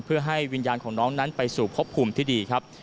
เพื่อให้วิญญาณของน้องนั้นไปสู่พบภูมิที่ดีครับ